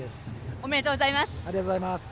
ありがとうございます。